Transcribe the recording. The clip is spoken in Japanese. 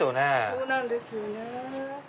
そうなんですよね。